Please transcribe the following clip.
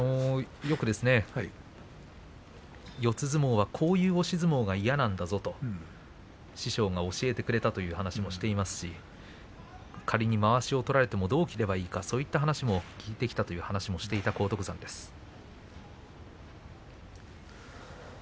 よく四つ相撲はこういう押し相撲が嫌なんだぞと師匠が教えてくれたという話もしていますし仮に、まわしを取られてもどう切ればいいのかそういった話も聞いてきたという話もしていた荒篤山です。